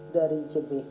dari ems dan ems dari ems